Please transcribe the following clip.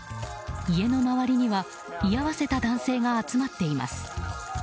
家の周りには居合わせた男性が集まっています。